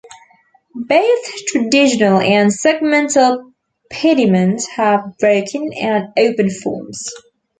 Both traditional and segmental pediments have "broken" and "open" forms.